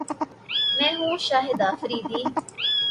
میں ہوں شاہد افریدی